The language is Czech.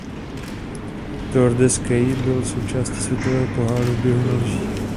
Tour de Ski byl součástí Světového poháru v běhu na lyžích.